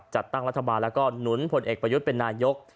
จัดตั้งรัฐบาลแล้วก็หนุนผลเอกประยุทธ์เป็นนายก